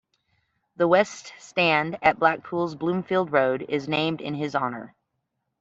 The West Stand at Blackpool's Bloomfield Road is named in his honour.